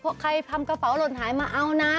ใครทำกระเฝาหล่นหายมาเอานะ